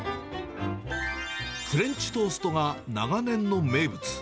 フレンチトーストが長年の名物。